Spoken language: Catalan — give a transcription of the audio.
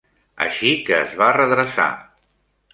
Així que es va redreçar.